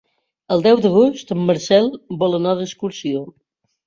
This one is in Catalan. El deu d'agost en Marcel vol anar d'excursió.